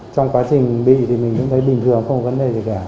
trong quá trình bị thì mình thấy bình thường không có vấn đề gì cả